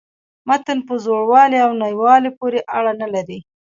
متن په زوړوالي او نویوالي پوري اړه نه لري.